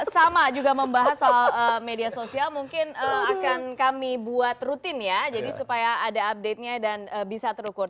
sama juga membahas soal media sosial mungkin akan kami buat rutin ya jadi supaya ada update nya dan bisa terukur